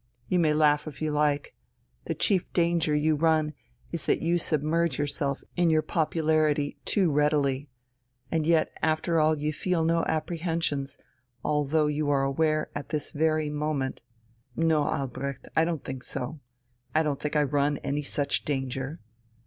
You may laugh if you like. The chief danger you run is that you submerge yourself in your popularity too readily; and yet after all you feel no apprehensions, although you are aware at this very moment ..." "No, Albrecht, I don't think so. I don't think I run any such danger."